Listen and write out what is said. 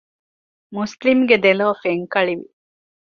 މުސްލިމްގެ ދެލޯ ފެންކަޅިވި